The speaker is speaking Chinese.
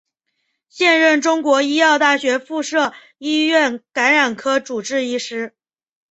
现任中国医药大学附设医院感染科主治医师。